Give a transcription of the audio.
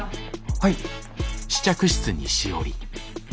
はい。